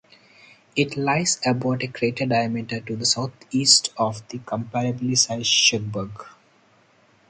It lies about a crater diameter to the southeast of the comparably sized Shuckburgh.